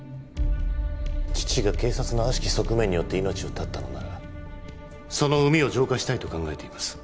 父が警察の悪しき側面によって命を絶ったのならその膿を浄化したいと考えています。